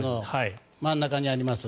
真ん中にあります。